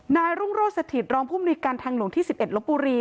นายรุงโรสถิตรองผู้บุญการทางหลวงที่๑๑รปุรี